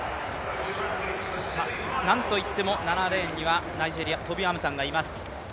なんといっても７レーンにはナイジェリア、トビ・アムサンがいます。